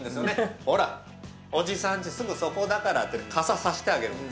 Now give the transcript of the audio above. ほら、おじさんち、すぐそこだからって傘さしてあげるんです。